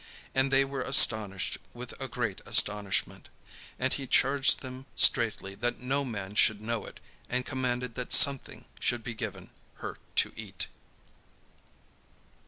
And they were astonished with a great astonishment. And he charged them straitly that no man should know it; and commanded that something should be given her to eat.